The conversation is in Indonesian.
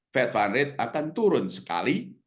fed fund rate akan turun sekali